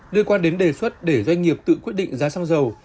liên quan đến đề xuất để doanh nghiệp tự quyết định giá xăng dầu